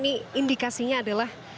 ini indikasinya adalah